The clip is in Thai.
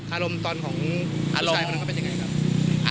อารมณ์ตอนของผู้ชายเขาเป็นยังไงครับ